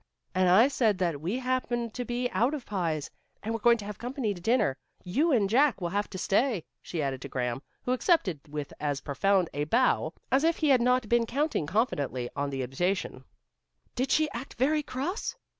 And I said that we happened to be out of pies, and were going to have company to dinner. You and Jack will have to stay," she added to Graham, who accepted with as profound a bow as if he had not been counting confidently on the invitation. "Did she act very cross?"